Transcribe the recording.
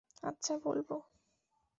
আচ্ছা, বলবো।